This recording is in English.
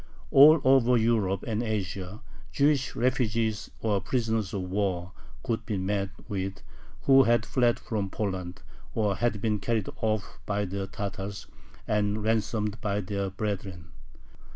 All over Europe and Asia Jewish refugees or prisoners of war could be met with, who had fled from Poland, or had been carried off by the Tatars, and ransomed by their brethren.